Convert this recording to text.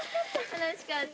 楽しかった。